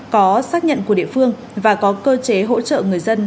có xác nhận của địa phương và có cơ chế hỗ trợ người dân